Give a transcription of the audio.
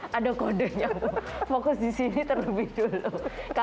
sama ibu masih selamat